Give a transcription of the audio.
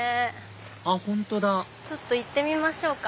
あっ本当だちょっと行ってみましょうか。